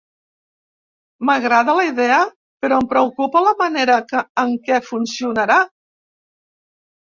M'agrada la idea però em preocupa la manera en què funcionarà.